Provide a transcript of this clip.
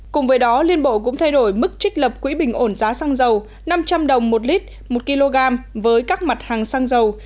cùng với đó liên bộ cũng thay đổi mức trích lập quỹ bình ổn giá xăng dầu năm trăm linh đồng một lít một kg với các mặt hàng xăng dầu